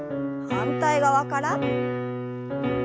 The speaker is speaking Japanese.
反対側から。